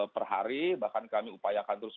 per hari bahkan kami upayakan terus